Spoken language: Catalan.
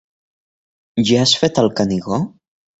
Ja has fet el Canigó?